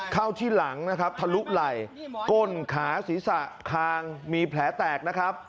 เข้าที่หลังนะครับทะลุไหล่ก้นขาศีรษะคางมีแผลแตกนะครับ